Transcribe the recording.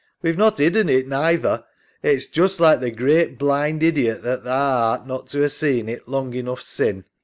We've not 'idden it neither. It's just like the great bhnd idiot that tha art not to 'a' seen it long enough sin'.